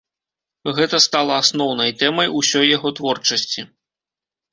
Гэта стала асноўнай тэмай усёй яго творчасці.